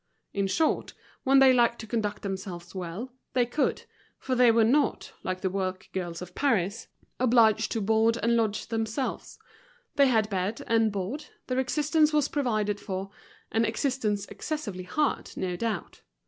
In short, when they liked to conduct themselves well, they could, for they were not, like the work girls of Paris, obliged to board and lodge themselves; they had bed and board, their existence was provided for, an existence excessively hard, no doubt.